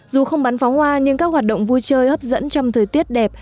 dù không bắn pháo hoa nhưng các hoạt động vui chơi hấp dẫn trong thời tiết đẹp